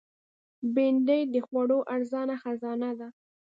بېنډۍ د خوړو ارزانه خزانه ده